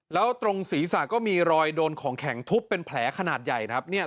แล้วตรงศีรษะก็มีรอยโดนของแข็งทุบเป็นแผลขนาดใหญ่ครับ